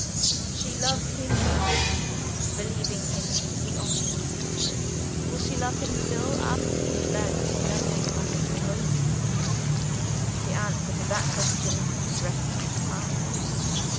She loves him now, believing him to be Oscar. Will she love him still, after she has learnt to know him under his own name? The answer to that question rests with Time.